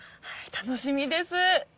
楽しみです。